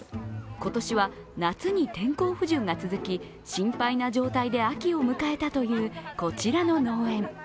今年は夏に天候不順が続き心配な状態で秋を迎えたというこちらの農園。